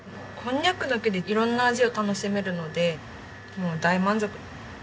こんにゃくだけで色んな味を楽しめるのでもう大満足。